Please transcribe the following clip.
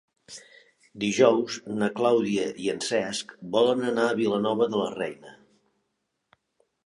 Dijous na Clàudia i en Cesc volen anar a Vilanova de la Reina.